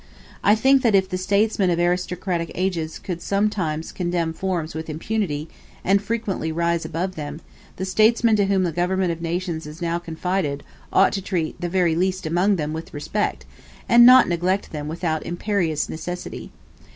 I think that if the statesmen of aristocratic ages could sometimes contemn forms with impunity, and frequently rise above them, the statesmen to whom the government of nations is now confided ought to treat the very least among them with respect, and not neglect them without imperious necessity.